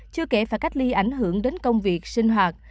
chưa kể phải cách ly ảnh hưởng đến công việc sinh hoạt